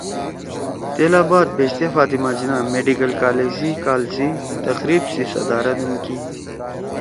تیلا بعد بیشتے فاطمہ جناح میڈیکل کالج سی کال سی تقریب سی صدارت ہُم کی